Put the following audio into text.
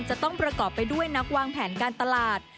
จะต้องประกอบไปด้วยนักวางแผนการตลาด